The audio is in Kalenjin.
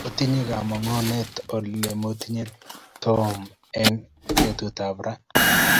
Otinye kayanet ole momitei Tom eng betutap ra